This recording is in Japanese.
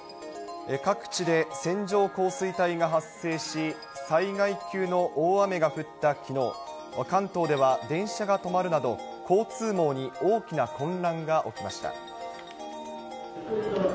各地で線状降水帯が発生し、災害級の大雨が降ったきのう、関東では電車が止まるなど、交通網に大きな混乱が起きました。